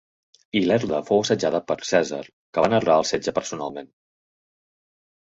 Ilerda fou assetjada per Cèsar, que va narrar el setge personalment.